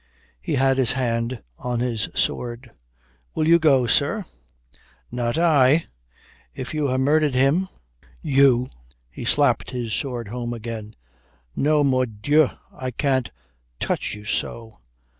He had his hand on his sword. "Will you go, sir?" "Not I. If you ha' murdered him, you" he slapped his sword home again "no, mordieu, I can't touch you so.